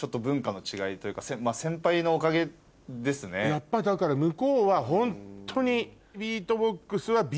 やっぱだから向こうはホントに。